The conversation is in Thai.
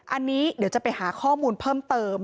อันนี้เดี๋ยวจะไปหาข้อมูลเพิ่มเติม